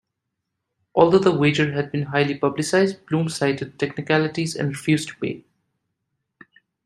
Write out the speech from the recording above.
Although the wager had been highly publicized, Bloom cited technicalities and refused to pay.